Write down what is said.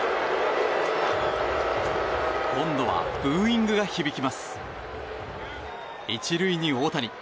今度はブーイングが響きます。